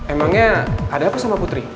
emangnya ada apa sama putri